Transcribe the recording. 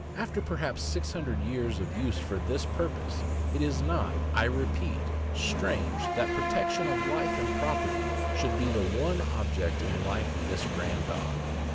After perhaps six hundred years of use for this purpose, it is not, I repeat, strange that protection of life and property should be the one object in life of this grand dog.